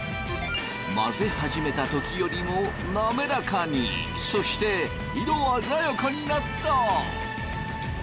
混ぜ始めた時よりも滑らかにそして色あざやかになった！